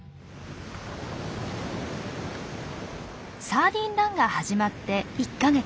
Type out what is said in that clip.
サーディン・ランが始まって１か月。